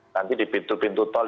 nanti di pintu pintu tol